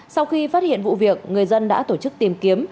sau khi phát hiện vụ việc người dân đã tổ chức tìm kiếm